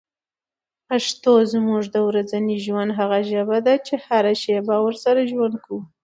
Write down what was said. پښتو زموږ د ورځني ژوند هغه ژبه ده چي هره شېبه ورسره ژوند کوو.